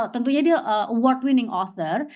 tentunya dia award winning author